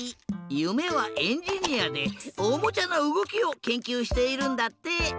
ゆめはエンジニアでおもちゃのうごきをけんきゅうしているんだって！